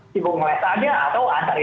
sibuk nge lec aja atau antarin